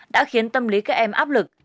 đã khiến tâm lý các em áp lực